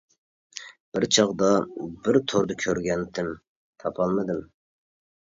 بىر چاغدا بىر توردا كۆرگەنتىم، تاپالمىدىم.